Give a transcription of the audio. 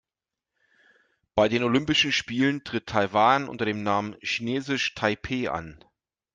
Bei den Olympischen Spielen tritt Taiwan unter dem Namen „Chinesisch Taipeh“ an.